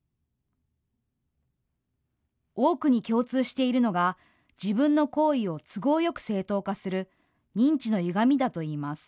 多くに共通しているのが自分の行為を都合よく正当化する認知のゆがみだといいます。